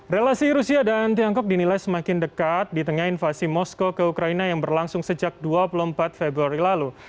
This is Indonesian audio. relasi rusia dan tiongkok dinilai semakin dekat di tengah invasi moskow ke ukraina yang berlangsung sejak dua puluh empat februari lalu